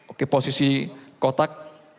oke posisi kotak